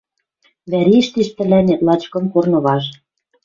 «Вӓрештеш тӹлӓнет лач кым корнываж: